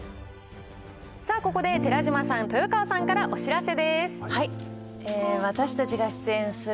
ここで、寺島さん、豊川さんからお知らせです。